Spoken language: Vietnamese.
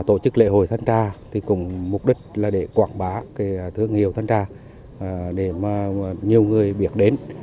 tổ chức lễ hội thanh trà cũng mục đích là để quảng bá thương hiệu thanh trà để nhiều người biết đến